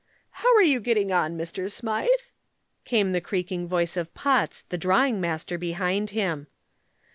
"How are you getting on, Mr. Smythe?" came the creaking voice of Potts, the drawing master, behind him.